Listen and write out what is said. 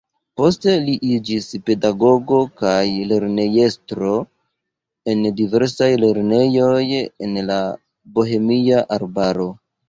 Poste li iĝis pedagogo kaj lernejestro en diversaj lernejoj en la Bohemia arbaro.